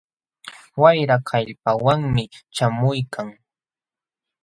Wayra kallpawanmi ćhaamuykan.